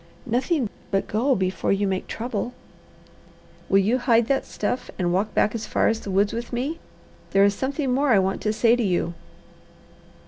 "Nothing but go, before you make trouble." "Will you hide that stuff and walk back as far as the woods with me? There is something more I want to say to you."